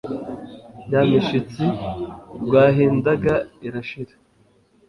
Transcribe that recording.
Ya mishitsi rwahindaga irashira